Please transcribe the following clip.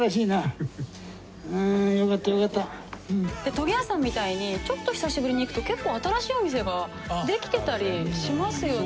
研ぎ屋さんみたいにちょっと久しぶりに行くと結構新しいお店ができてたりしますよね。